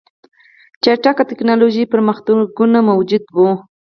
چټک ټکنالوژیکي پرمختګونه موجود وو